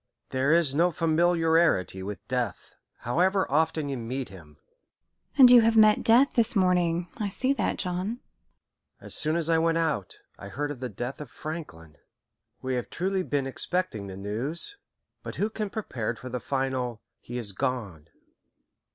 There is no familiarity with Death, however often you meet him." "And you have met Death this morning, I see that, John?" "As soon as I went out, I heard of the death of Franklin. We have truly been expecting the news, but who can prepare for the final 'He is gone.'